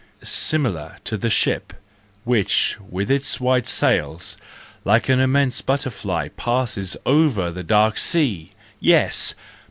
Similar to the ship, which, with its white sails, like an immense butterfly, passes over the dark sea! Yes!